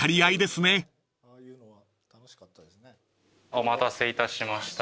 お待たせいたしました。